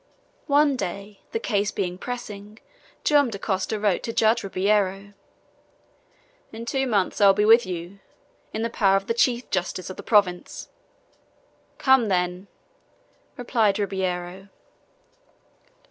One day, the case being pressing, Joam Dacosta wrote to Judge Ribeiro: "In two months I will be with you, in the power of the chief justice of the province!" "Come, then," replied Ribeiro.